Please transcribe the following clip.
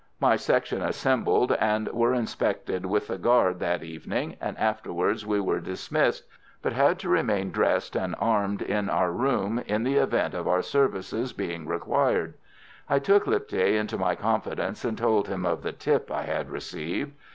My section assembled, and were inspected with the guard that evening, and afterwards we were dismissed, but had to remain dressed and armed in our room in the event of our services being required. I took Lipthay into my confidence, and told him of the "tip" I had received.